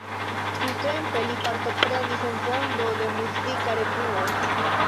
Tiutempe li partoprenis en fondo de muzika revuo.